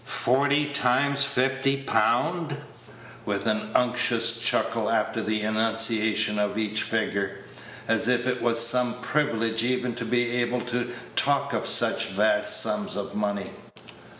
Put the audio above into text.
Forty times fifty pound," with an unctuous chuckle after the enunciation of each figure, as if it was some privilege even to be able to talk of such vast sums of money.